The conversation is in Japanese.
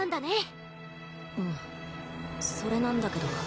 うんそれなんだけど。